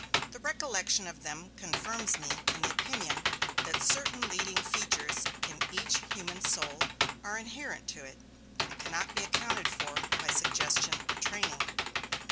The recollection of them confirms me in the opinion that certain leading features in each human soul are inherent to it, and cannot be accounted for by suggestion or training.